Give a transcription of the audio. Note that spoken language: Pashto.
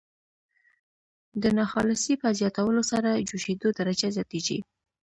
د ناخالصې په زیاتولو سره جوشیدو درجه زیاتیږي.